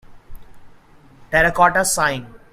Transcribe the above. Terracotta Sighing.